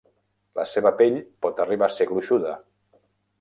La seva pell pot arribar a ser gruixuda.